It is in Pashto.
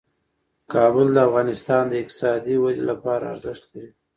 کابل د افغانستان د اقتصادي ودې لپاره ارزښت لري.